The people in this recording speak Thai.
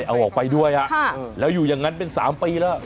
เอาออกไปด้วยฮะแล้วอยู่อย่างนั้นเป็น๓ปีแล้ว